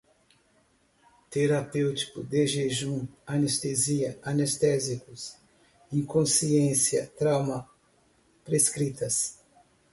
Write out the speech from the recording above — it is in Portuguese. terapêutico, desjejum, anestesia, anestésicos, inconsciência, trauma, prescritas